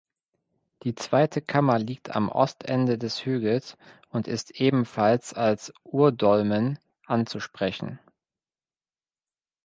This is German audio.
Die zweite Kammer liegt am Ostende des Hügels und ist ebenfalls als Urdolmen anzusprechen.